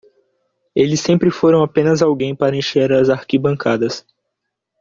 Eles sempre foram apenas alguém para encher as arquibancadas.